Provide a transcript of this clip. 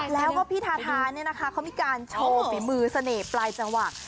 แล้วก็พี่ทาทาเนี่ยนะคะเขามีการโชว์ฝีมือเสน่ห์ปลายจังหวะ